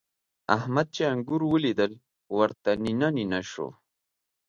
احمد چې انګور وليدل؛ ورته نينه نينه شو.